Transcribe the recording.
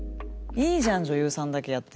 「いいじゃん女優さんだけやってれば」。